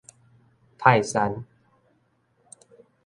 泰山